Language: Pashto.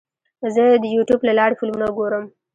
زه د یوټیوب له لارې فلمونه ګورم.